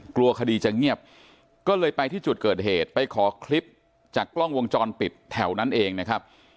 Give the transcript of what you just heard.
กลัวคดีจะเงียบก็เลยไปที่จุดเกิดเหตุไปขอคลิปจากกล้องวงจรปิดแถวนั้นเองนะครับ